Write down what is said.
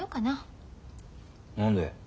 何で？